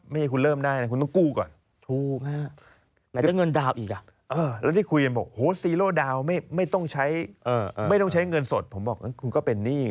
ไม่ให้คุณเริ่มได้นะคุณต้องกู้ก่อน